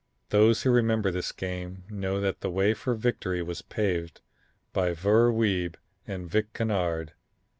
Those who remember this game know that the way for victory was paved by Ver Wiebe and Vic Kennard.